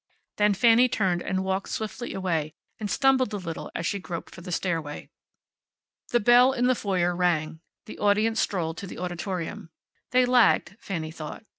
Then Fanny turned and walked swiftly away, and stumbled a little as she groped for the stairway. The bell in the foyer rang. The audience strolled to the auditorium. They lagged, Fanny thought.